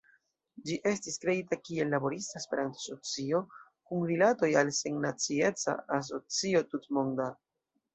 Ĝi estis kreita kiel Laborista Esperanto-Asocio, kun rilatoj al Sennacieca Asocio Tutmonda.